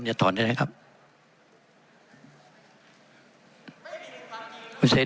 อยู่บริกุปัญญาชื่อลำดับต้นอย่าถอดนะครับ